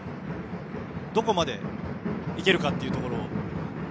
どこまでいけるかというところ。